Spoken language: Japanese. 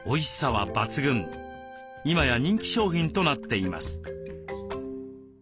今や人気商品となっています。